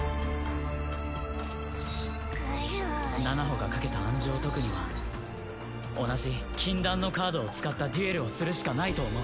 ナナホがかけた暗示を解くには同じ禁断のカードを使ったデュエルをするしかないと思う。